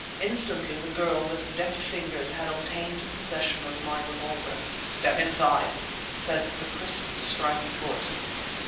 Instantly the girl, with deft fingers, had obtained possession of my revolver. "Step inside," said the crisp, strident voice.